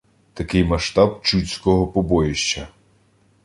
Такий масштаб «Чудського побоїща»